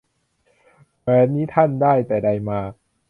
แหวนนี้ท่านได้ แต่ใดมา